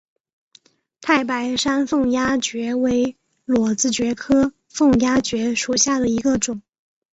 太白山凤丫蕨为裸子蕨科凤丫蕨属下的一个种。